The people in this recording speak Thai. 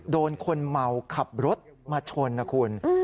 โดนคนเมาขับรถมาชนนะคุณ